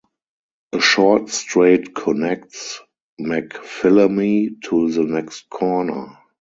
A short straight connects McPhillamy to the next corner.